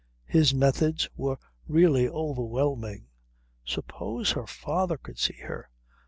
His methods were really overwhelming. Suppose her father could see her.